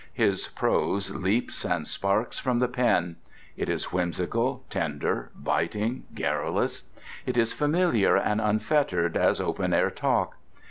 His prose leaps and sparks from the pen. It is whimsical, tender, biting, garrulous. It is familiar and unfettered as open air talk.